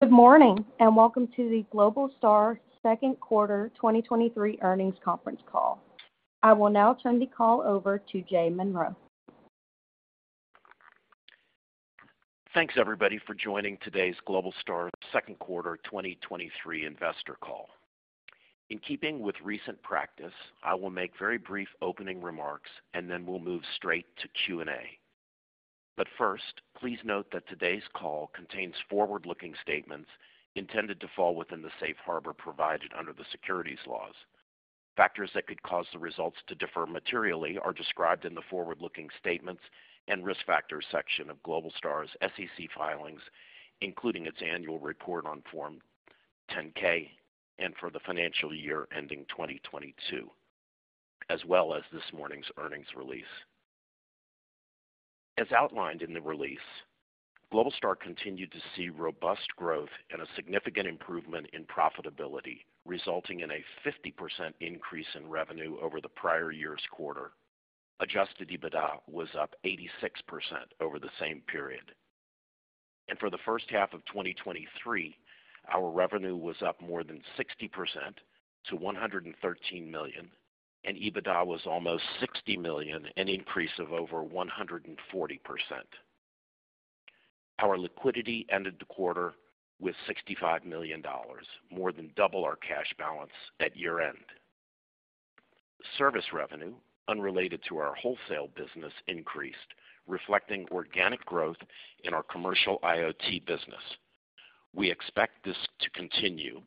Good morning, welcome to the Globalstar Second Quarter 2023 Earnings Conference Call. I will now turn the call over to Jay Monroe. Thanks, everybody, for joining today's Globalstar Second Quarter 2023 investor call. In keeping with recent practice, I will make very brief opening remarks, and then we'll move straight to Q&A. But first, please note that today's call contains forward-looking statements intended to fall within the safe harbor provided under the securities laws. Factors that could cause the results to differ materially are described in the forward-looking statements and risk factors section of Globalstar's SEC filings, including its annual report on Form 10-K and for the financial year ending 2022, as well as this morning's earnings release. As outlined in the release, Globalstar continued to see robust growth and a significant improvement in profitability, resulting in a 50% increase in revenue over the prior year's quarter. Adjusted EBITDA was up 86% over the same period. For the first half of 2023, our revenue was up more than 60% to $113 million, and EBITDA was almost $60 million, an increase of over 140%. Our liquidity ended the quarter with $65 million, more than double our cash balance at year-end. Service revenue, unrelated to our wholesale business, increased, reflecting organic growth in our commercial IoT business. We expect this to continue,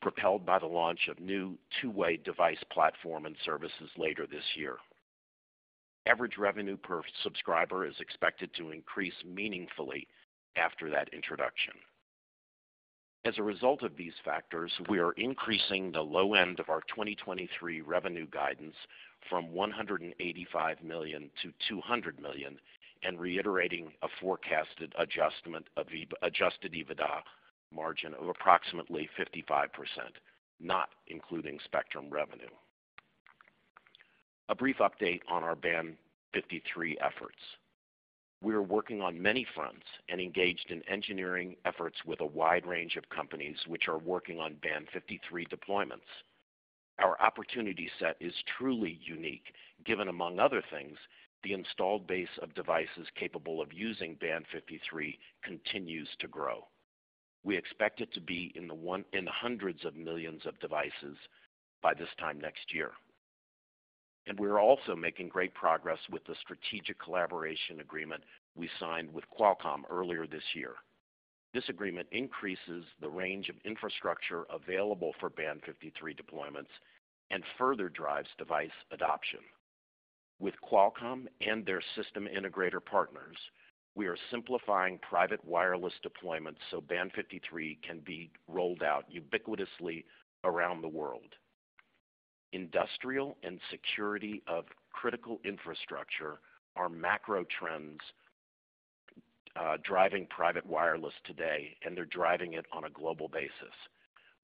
propelled by the launch of new two-way device platform and services later this year. Average revenue per subscriber is expected to increase meaningfully after that introduction. As a result of these factors, we are increasing the low end of our 2023 revenue guidance from $185 million to $200 million and reiterating a forecasted adjustment of the Adjusted EBITDA margin of approximately 55%, not including spectrum revenue. A brief update on our Band 53 efforts. We are working on many fronts and engaged in engineering efforts with a wide range of companies which are working on Band 53 deployments. Our opportunity set is truly unique, given, among other things, the installed base of devices capable of using Band 53 continues to grow. We expect it to be in the hundreds of millions of devices by this time next year. We're also making great progress with the strategic collaboration agreement we signed with Qualcomm earlier this year. This agreement increases the range of infrastructure available for Band 53 deployments and further drives device adoption. With Qualcomm and their system integrator partners, we are simplifying private wireless deployments so Band 53 can be rolled out ubiquitously around the world. Industrial and security of critical infrastructure are macro trends, driving private wireless today, and they're driving it on a global basis.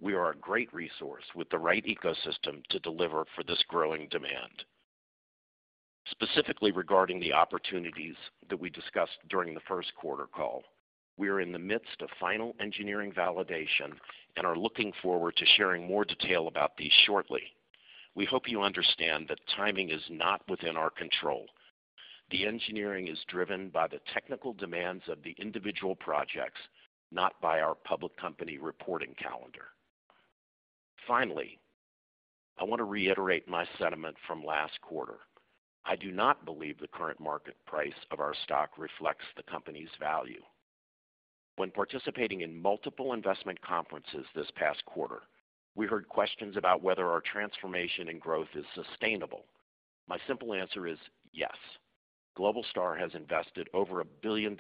We are a great resource with the right ecosystem to deliver for this growing demand. Specifically regarding the opportunities that we discussed during the first quarter call, we are in the midst of final engineering validation and are looking forward to sharing more detail about these shortly. We hope you understand that timing is not within our control. The engineering is driven by the technical demands of the individual projects, not by our public company reporting calendar. Finally, I want to reiterate my sentiment from last quarter. I do not believe the current market price of our stock reflects the company's value. When participating in multiple investment conferences this past quarter, we heard questions about whether our transformation and growth is sustainable. My simple answer is yes. Globalstar has invested over $1 billion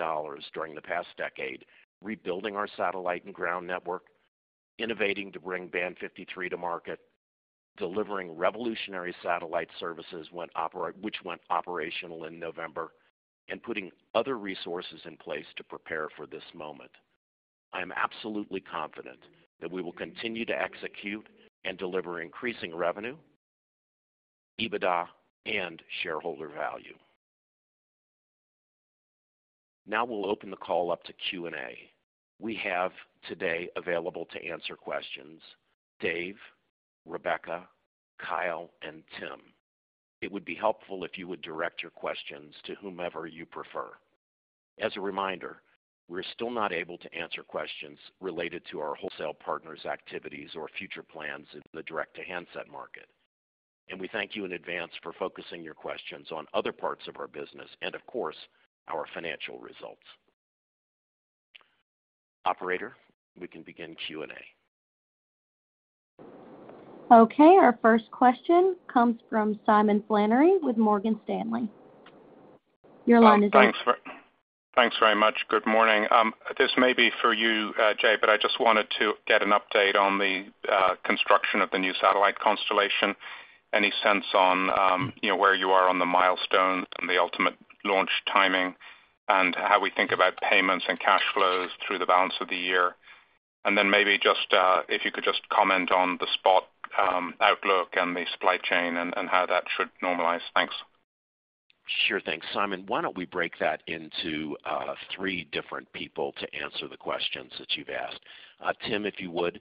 during the past decade, rebuilding our satellite and ground network, innovating to bring Band 53 to market, delivering revolutionary satellite services which went operational in November, and putting other resources in place to prepare for this moment. I am absolutely confident that we will continue to execute and deliver increasing revenue, EBITDA, and shareholder value. Now we'll open the call up to Q&A. We have today available to answer questions, Dave, Rebecca, Kyle, and Tim. It would be helpful if you would direct your questions to whomever you prefer. As a reminder, we're still not able to answer questions related to our wholesale partners' activities or future plans in the direct-to-handset market. We thank you in advance for focusing your questions on other parts of our business and, of course, our financial results. Operator, we can begin Q&A. Okay, our first question comes from Simon Flannery with Morgan Stanley. Your line is open. Thanks very-- thanks very much. Good morning. This may be for you, Jay, but I just wanted to get an update on the construction of the new satellite constellation. Any sense on, you know, where you are on the milestone and the ultimate launch timing, and how we think about payments and cash flows through the balance of the year? Maybe just, if you could just comment on the SPOT outlook and the supply chain and how that should normalize. Thanks. Sure, thanks, Simon. Why don't we break that into three different people to answer the questions that you've asked? Tim, if you would,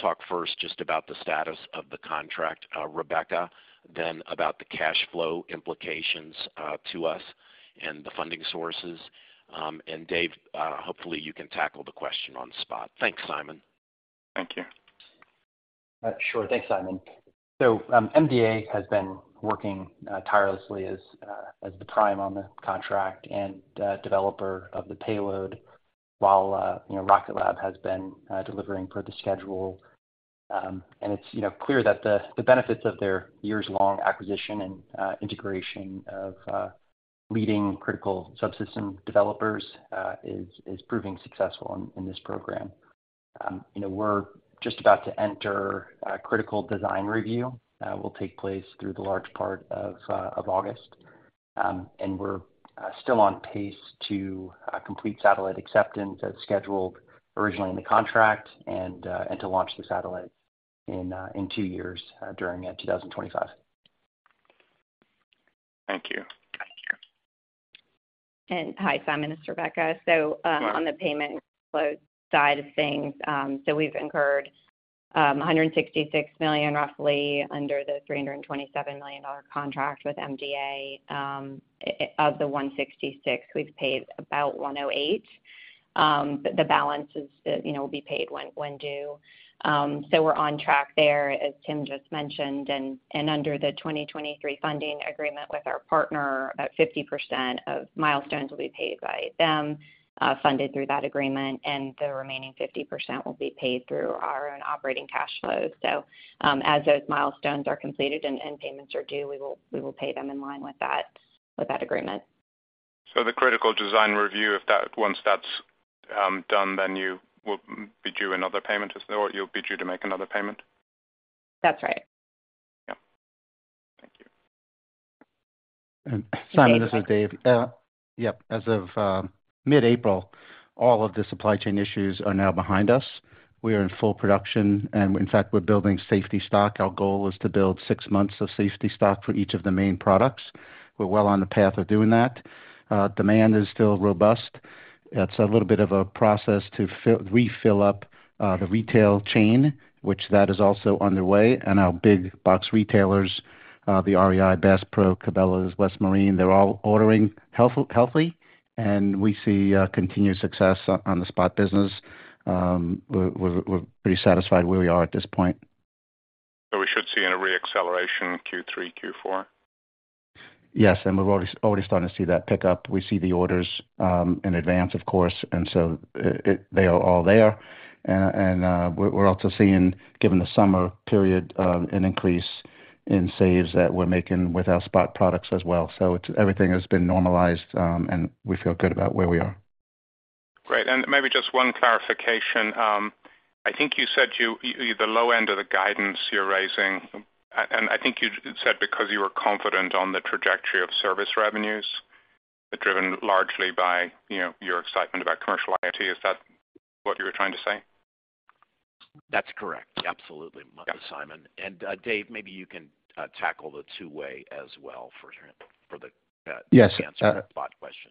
talk first just about the status of the contract. Rebecca, then about the cash flow implications to us and the funding sources. Dave, hopefully, you can tackle the question on SPOT. Thanks, Simon. Thank you. Sure. Thanks, Simon. MDA has been working tirelessly as as the prime on the contract and developer of the payload while, you know, Rocket Lab has been delivering per the schedule. It's, you know, clear that the, the benefits of their years-long acquisition and integration of leading critical subsystem developers is proving successful in this program. You know, we're just about to enter a critical design review, will take place through the large part of August. We're still on pace to complete satellite acceptance as scheduled originally in the contract and to launch the satellite in two years, during 2025. Thank you. Hi, Simon, it's Rebecca. On the payment flow side of things, we've incurred $166 million, roughly under the $327 million contract with MDA. Of the $166, we've paid about $108, the balance is, you know, will be paid when, when due. We're on track there, as Tim just mentioned, and under the 2023 funding agreement with our partner, about 50% of milestones will be paid by them, funded through that agreement, and the remaining 50% will be paid through our own operating cash flows. As those milestones are completed and payments are due, we will, we will pay them in line with that, with that agreement. The critical design review, once that's done, then you will be due another payment, is that? You'll be due to make another payment? That's right. Yeah. Thank you. Simon, this is Dave. Yep, as of mid-April, all of the supply chain issues are now behind us. We are in full production, and in fact, we're building safety stock. Our goal is to build six months of safety stock for each of the main products. We're well on the path of doing that. Demand is still robust. It's a little bit of a process to refill up the retail chain, which that is also underway. Our big box retailers, the REI, Bass Pro, Cabela's, West Marine, they're all ordering healthy, and we see continued success on the SPOT business. We're pretty satisfied where we are at this point. We should see in a reacceleration Q3, Q4? Yes, we're already, already starting to see that pick up. We see the orders in advance, of course, they are all there. We're, we're also seeing, given the summer period, an increase in saves that we're making with our SPOT products as well. Everything has been normalized, and we feel good about where we are. Great. Maybe just one clarification. I think you said you, the low end of the guidance you're raising, and I think you said because you were confident on the trajectory of service revenues, driven largely by, you know, your excitement about commercial IoT. Is that what you were trying to say? That's correct. Absolutely, Simon. Yeah. Dave, maybe you can tackle the two-way as well for, for the. Yes. To answer that SPOT question.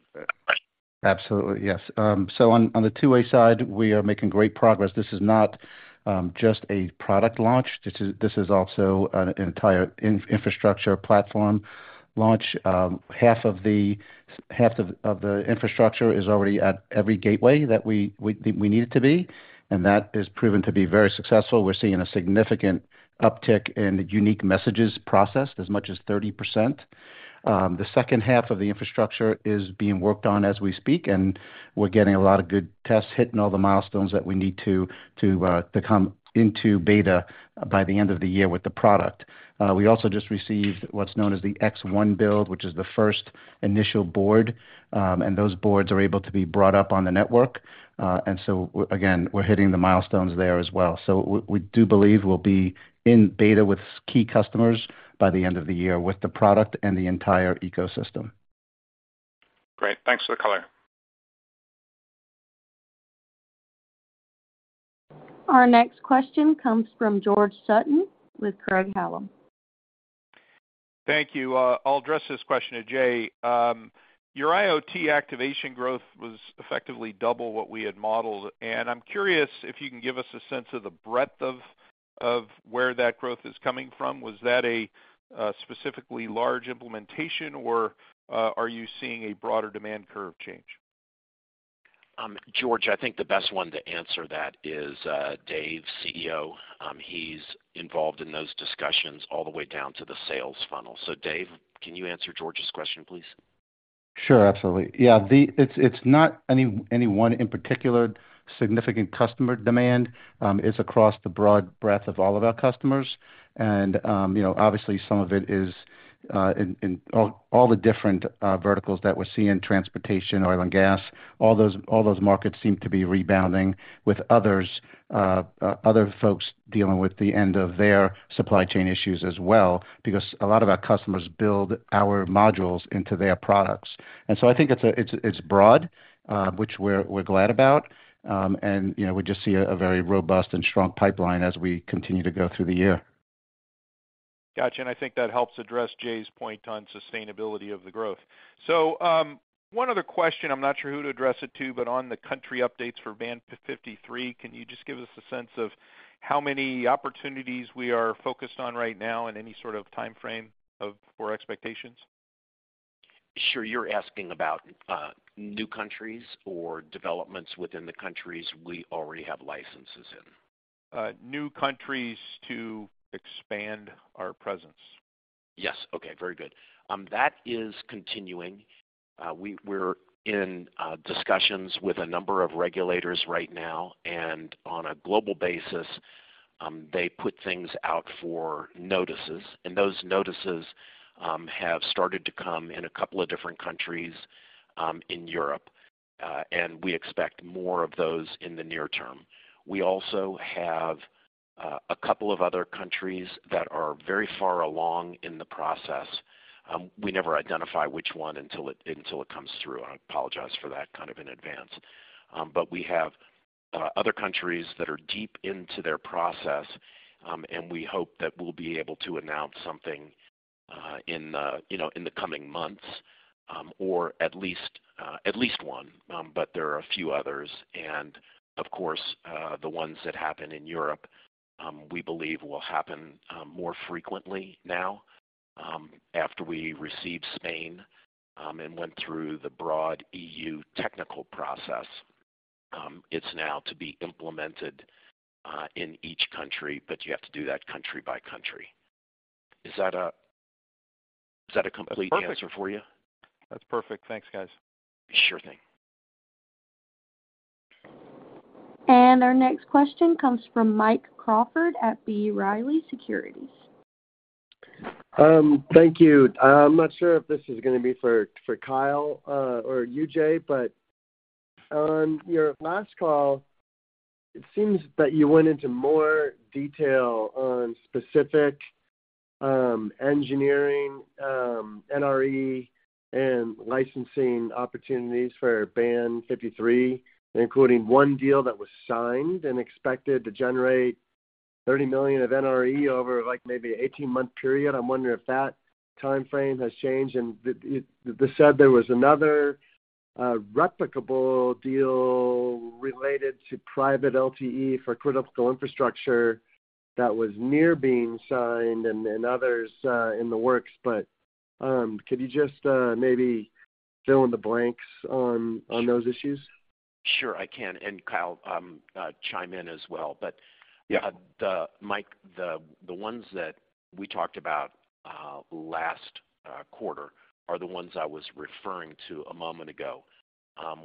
Absolutely, yes. On the two-way side, we are making great progress. This is not just a product launch. This is also an entire infrastructure platform launch. Half of the infrastructure is already at every gateway that we need it to be. That has proven to be very successful. We're seeing a significant uptick in the unique messages processed as much as 30%. The second half of the infrastructure is being worked on as we speak. We're getting a lot of good tests hitting all the milestones that we need to come into beta by the end of the year with the product. We also just received what's known as the X1 build, which is the first initial board, and those boards are able to be brought up on the network. Again, we're hitting the milestones there as well. We, we do believe we'll be in beta with key customers by the end of the year with the product and the entire ecosystem. Great. Thanks for the color. Our next question comes from George Sutton with Craig-Hallum. Thank you. I'll address this question to Jay. Your IoT activation growth was effectively double what we had modeled, and I'm curious if you can give us a sense of the breadth of, of where that growth is coming from. Was that a specifically large implementation, or, are you seeing a broader demand curve change? George, I think the best one to answer that is, Dave, CEO. He's involved in those discussions all the way down to the sales funnel. Dave, can you answer George's question, please? Sure. Absolutely. It's, it's not any, any one in particular, significant customer demand. It's across the broad breadth of all of our customers. You know, obviously some of it is, in, in all, all the different, verticals that we're seeing, transportation, oil and gas, all those, all those markets seem to be rebounding with others, other folks dealing with the end of their supply chain issues as well, because a lot of our customers build our modules into their products. I think it's, it's broad, which we're, we're glad about. You know, we just see a, a very robust and strong pipeline as we continue to go through the year. ... Gotcha, I think that helps address Jay's point on sustainability of the growth. One other question, I'm not sure who to address it to, but on the country updates for Band 53, can you just give us a sense of how many opportunities we are focused on right now and any sort of time frame for expectations? Sure. You're asking about new countries or developments within the countries we already have licenses in? New countries to expand our presence. Yes. Okay, very good. That is continuing. We're in discussions with a number of regulators right now, and on a global basis, they put things out for notices, and those notices have started to come in a couple of different countries in Europe, and we expect more of those in the near term. We also have a couple of other countries that are very far along in the process. We never identify which one until it comes through, and I apologize for that kind of in advance. We have other countries that are deep into their process, and we hope that we'll be able to announce something, you know, in the coming months, or at least at least one, but there are a few others. Of course, the ones that happen in Europe, we believe will happen more frequently now, after we received Spain and went through the broad EU technical process. It's now to be implemented in each country, but you have to do that country by country. Is that a complete answer for you? That's perfect. Thanks, guys. Sure thing. Our next question comes from Mike Crawford at B. Riley Securities. Thank you. I'm not sure if this is gonna be for, for Kyle, or you, Jay, on your last call, it seems that you went into more detail on specific, engineering, NRE and licensing opportunities for Band 53, including one deal that was signed and expected to generate $30 million of NRE over, maybe 18-month period. I'm wondering if that timeframe has changed, and you said there was another, replicable deal related to private LTE for critical infrastructure that was near being signed and others, in the works, could you just, maybe fill in the blanks on, on those issues? Sure, I can, and Kyle, chime in as well. Yeah. Mike, the ones that we talked about last quarter are the ones I was referring to a moment ago,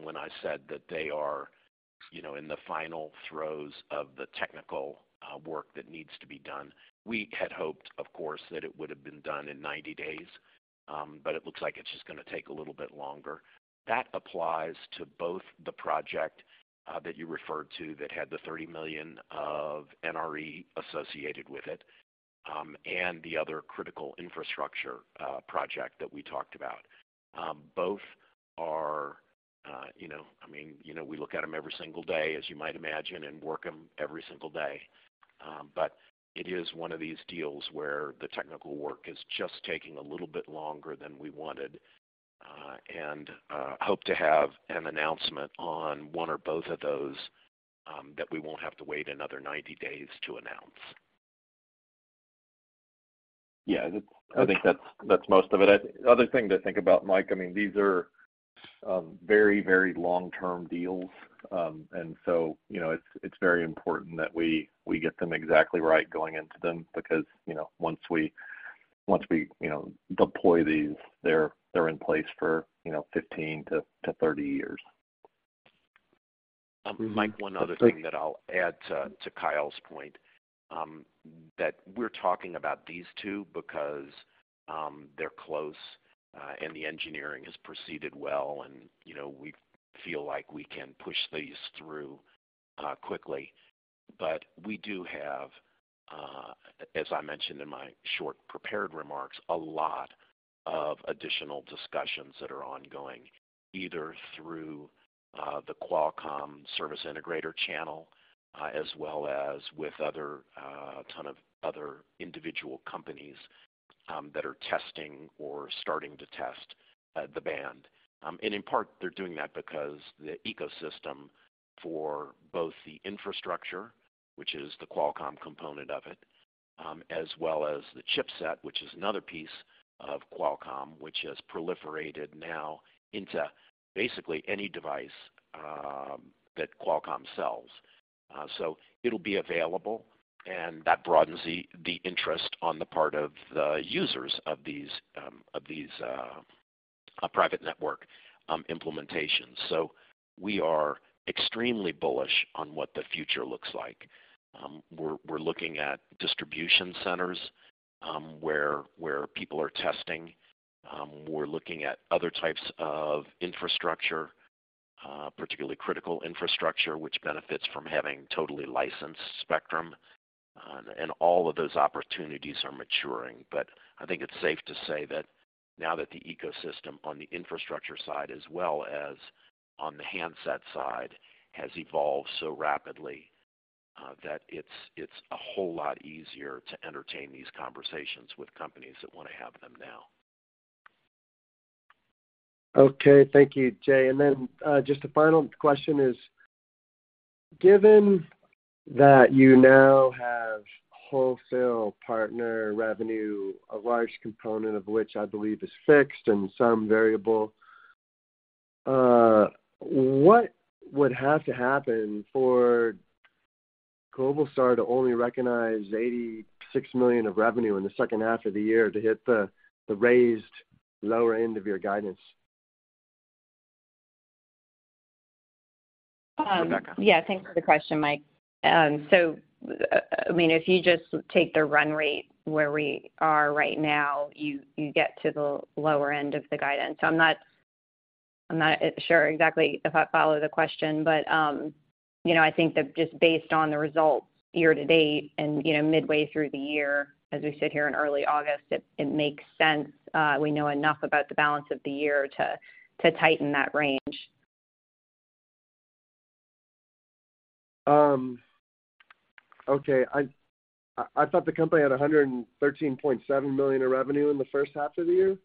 when I said that they are, you know, in the final throes of the technical work that needs to be done. We had hoped, of course, that it would have been done in 90 days, but it looks like it's just gonna take a little bit longer. That applies to both the project that you referred to, that had the $30 million of NRE associated with it, and the other critical infrastructure project that we talked about. Both are, you know, I mean, you know, we look at them every single day, as you might imagine, and work them every single day. It is one of these deals where the technical work is just taking a little bit longer than we wanted, and hope to have an announcement on one or both of those, that we won't have to wait another 90 days to announce. Yeah, I think that's, that's most of it. The other thing to think about, Mike, I mean, these are very, very long-term deals. You know, it's, it's very important that we, we get them exactly right going into them, because, you know, once we, once we, you know, deploy these, they're, they're in place for, you know, 15-30 years. Mike, one other thing that I'll add to, to Kyle's point, that we're talking about these two because they're close, and the engineering has proceeded well, and, you know, we feel like we can push these through quickly. We do have, as I mentioned in my short prepared remarks, a lot of additional discussions that are ongoing, either through the Qualcomm system integrator channel, as well as with other ton of other individual companies, that are testing or starting to test the band. And in part, they're doing that because the ecosystem for both the infrastructure, which is the Qualcomm component of it, as well as the chipset, which is another piece of Qualcomm, which has proliferated now into basically any device, that Qualcomm sells. It'll be available, and that broadens the, the interest on the part of the users of these, of these, private network, implementations. We are extremely bullish on what the future looks like. We're, we're looking at distribution centers, where, where people are testing. We're looking at other types of infrastructure, particularly critical infrastructure, which benefits from having totally licensed spectrum, and all of those opportunities are maturing. I think it's safe to say that now that the ecosystem on the infrastructure side, as well as on the handset side, has evolved so rapidly, that it's, it's a whole lot easier to entertain these conversations with companies that want to have them now. Okay. Thank you, Jay. Then, just a final question is: given that you now have wholesale partner revenue, a large component of which I believe is fixed and some variable, what would have to happen for Globalstar to only recognize $86 million of revenue in the second half of the year to hit the, the raised lower end of your guidance? Um- Rebecca? Yeah, thanks for the question, Mike. I mean, if you just take the run rate where we are right now, you, you get to the lower end of the guidance. I'm not, I'm not sure exactly if I follow the question, but, you know, I think that just based on the results year to date and, you know, midway through the year, as we sit here in early August, it, it makes sense. We know enough about the balance of the year to, to tighten that range. Okay. I, I thought the company had $113.7 million of revenue in the first half of the year?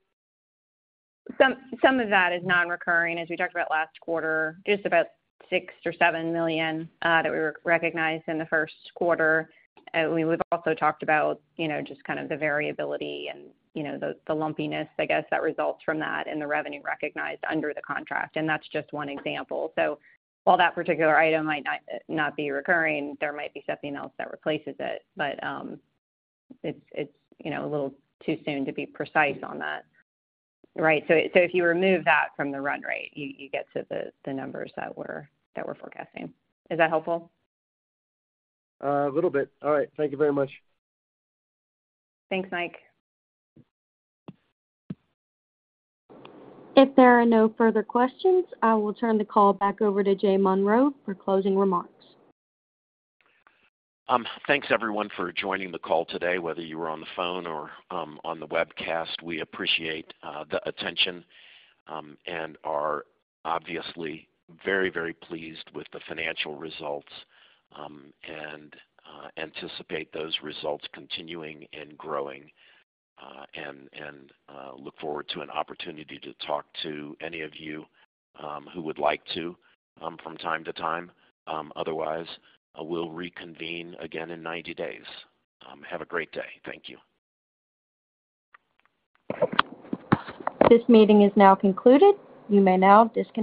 Some, some of that is non-recurring, as we talked about last quarter, just about $6 million-$7 million that we recognized in the first quarter. We've also talked about, you know, just kind of the variability and, you know, the, the lumpiness, I guess, that results from that and the revenue recognized under the contract, and that's just one example. While that particular item might not, not be recurring, there might be something else that replaces it, but it's, it's, you know, a little too soon to be precise on that. Right. If you remove that from the run rate, you, you get to the, the numbers that we're, that we're forecasting. Is that helpful? A little bit. All right. Thank you very much. Thanks, Mike. If there are no further questions, I will turn the call back over to Jay Monroe for closing remarks. Thanks, everyone, for joining the call today, whether you were on the phone or on the webcast. We appreciate the attention and are obviously very, very pleased with the financial results and anticipate those results continuing and growing and, and look forward to an opportunity to talk to any of you who would like to from time to time. Otherwise, we'll reconvene again in 90 days. Have a great day. Thank you. This meeting is now concluded. You may now disconnect.